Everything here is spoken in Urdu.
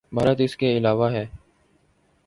بھارت اس کے علاوہ ہے۔